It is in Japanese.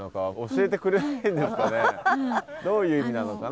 どういう意味なのかな？